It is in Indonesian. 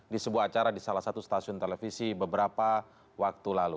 di sebuah acara di salah satu stasiun televisi beberapa waktu lalu